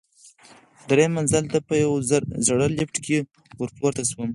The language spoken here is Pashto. درېیم منزل ته په یوه زړه لفټ کې ورپورته شوم.